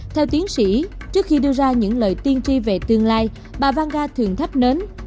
theo tiến sĩ trước khi đưa ra những lời tiên tri về tương lai bà vangar thường thắp nến